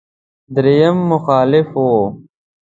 درېيم مخالف و.